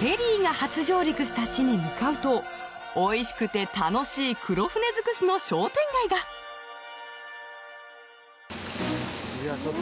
ペリーが初上陸した地に向かうとおいしくて楽しい黒船尽くしの商店街がいやちょっと。